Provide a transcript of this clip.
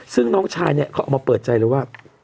ซึ่งน้องชายเนี่ยเขาออกมาเปิดใจเลยว่า